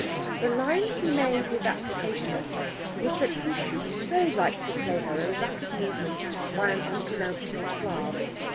The line he made his application on was that he should so like to play her a rapid movement by an unpronounceable Slav.